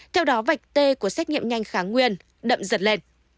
theo đó vạch t của xét nghiệm nhanh kháng nguyên đậm dật lên